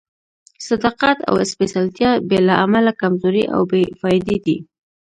صداقت او سپېڅلتیا بې له علمه کمزوري او بې فائدې دي.